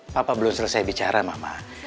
papa belum selesai bicara mama